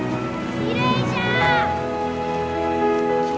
きれいじゃのう！